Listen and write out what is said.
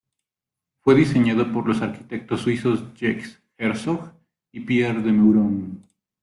Fue diseñado por los arquitectos suizos Jacques Herzog y Pierre de Meuron.